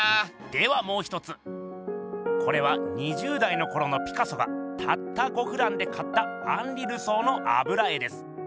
ではもう一つこれは２０代のころのピカソがたった５フランで買ったアンリ・ルソーのあぶら絵です。